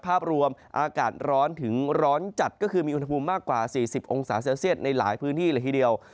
ภาพรวมอากาศร้อนถึงร้อนจัดก็คือมีอุณหภูมิมากกว่า๔๐องศาเซลเซียตในหลายพื้นที่เลยทีเดียว